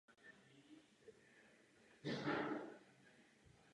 Nicméně po obnově nemůže bezprostředně následovat snížení nezaměstnanosti.